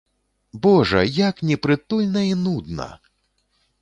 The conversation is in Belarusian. Божа, як непрытульна і нудна!